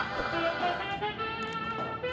tapi udah mudah